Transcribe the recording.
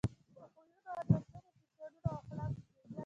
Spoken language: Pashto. په خویونو، عادتونو، فیشنونو او اخلاقو کې.